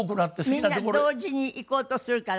みんな同時に行こうとするから。